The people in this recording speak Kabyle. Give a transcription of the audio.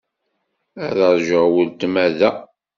Ad ṛjuɣ weltma da.